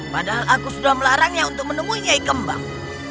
padahal aku sudah melarangnya untuk menemunya ikembang